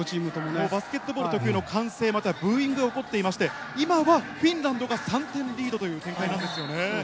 バスケットボール特有の歓声、またはブーイングが起こっていまして、今はフィンランドが３点リードという展開なんですよね。